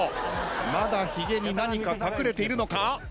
まだヒゲに何か隠れているのか？